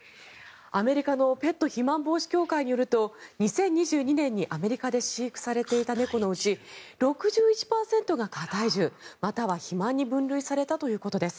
アメリカのペット肥満防止協会によると２０２２年にアメリカで飼育されていた猫のうち６１％が過体重または肥満に分類されたということです。